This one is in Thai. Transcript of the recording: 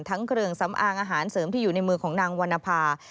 เครื่องสำอางอาหารเสริมที่อยู่ในมือของนางวรรณภา